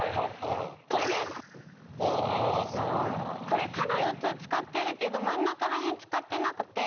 これ角４つを使ってるけど真ん中ら辺使ってなくて。